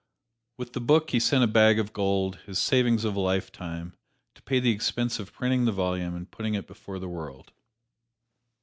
With the book he sent a bag of gold, his savings of a lifetime, to pay the expense of printing the volume and putting it before the world.